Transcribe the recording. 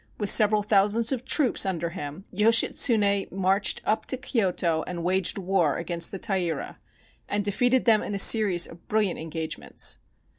With several thou sands of troops under him, Yoshitsune marched up to Kyoto and waged war against the Taira, and defeated them in a series of brilliant engagements.